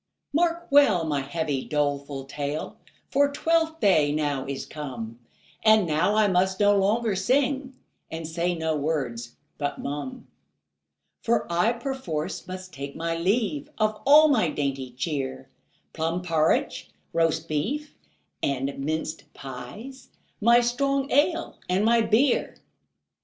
Mark well my heavy, doleful tale, For Twelfth day now is come, And now I must no longer sing, And say no words but mum; For I perforce must take my leave Of all my dainty cheer, Plum porridge, roast beef, and minced pies, My strong ale and my beer.